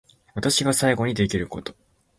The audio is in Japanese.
私が最後にできること